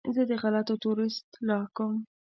زه د غلطو تورو اصلاح کوم.